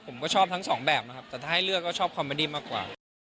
ผมก็ชอบทั้งสองแบบนะครับแต่ถ้าให้เลือกก็ชอบคอมเมดี้มากกว่า